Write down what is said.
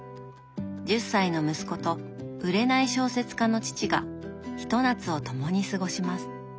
１０歳の息子と売れない小説家の父がひと夏を共に過ごします。